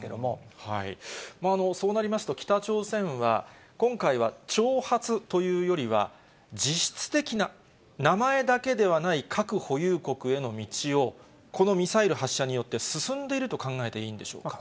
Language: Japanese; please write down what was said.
そうなりますと、北朝鮮は、今回は挑発というよりは、実質的な、名前だけではない核保有国への道を、このミサイル発射によって進んでると考えていいんでしょうか。